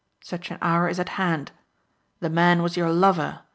Such an hour is at hand. The man was your lover.